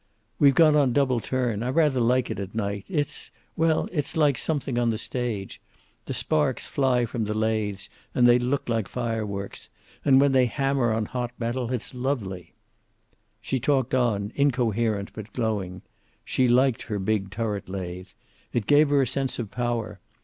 "We've gone on double turn. I rather like it at night. It's well, it's like something on the stage. The sparks fly from the lathes, and they look like fireworks. And when they hammer on hot metal it's lovely." She talked on, incoherent but glowing. She liked her big turret lathe. It gave her a sense of power.